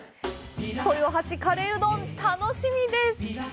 豊橋カレーうどん、楽しみです！